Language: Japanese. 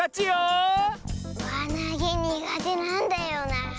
わなげにがてなんだよなあ。